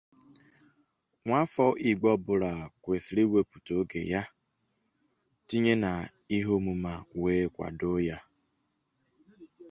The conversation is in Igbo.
maka na ọkụkọ sị na ya na-ajụwu ajụwu tupu ribe.